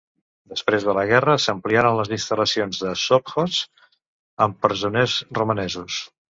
Després de la guerra, s'ampliaren les instal·lacions del sovkhoz amb presoners romanesos.